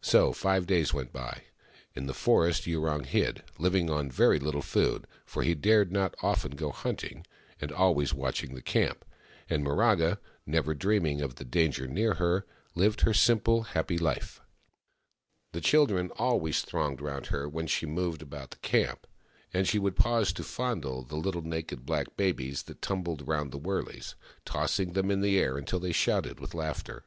So five days went by. In the forest Yurong hid, L /ing on very Httle food — for he dared not often go hunting — and always watching the camp ; and Miraga, never dreaming of the danger near her, lived her simple, happy life. The children always thronged round her when she moved about the camp, and she would pause to fondle the little naked black babies that tumbled round the wurleys, tossing them in the air until they shouted with laughter.